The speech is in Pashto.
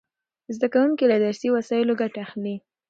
زده کوونکي له درسي وسایلو ګټه اخلي.